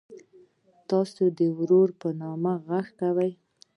تاسو ته د ورور په نوم غږ کوي.